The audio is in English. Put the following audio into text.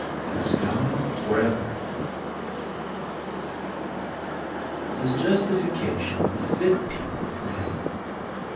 Bless God for ever ! Does justification fit people for heaven